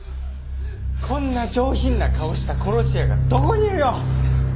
こんな上品な顔した殺し屋がどこにいるよ！